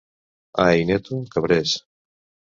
A Aineto, cabrers.